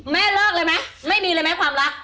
แม่เลิกเลยไหมไม่มีอะไรแม้ความรัก